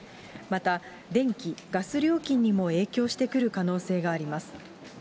また、電気、ガス料金にも影響してくる可能性があります。